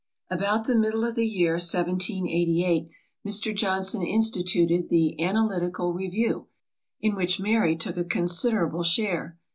About the middle of the year 1788, Mr. Johnson instituted the Analytical Review, in which Mary took a considerable share.